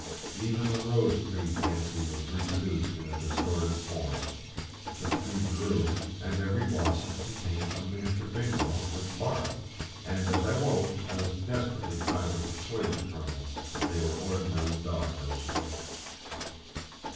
Even the rose tree fancy was reproduced in a distorted form—the tree grew, and every blossom contained a miniature Bingo, which barked; and as I woke I was desperately trying to persuade the colonel that they were ordinary dog roses.